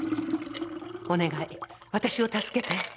お願い、私を助けて。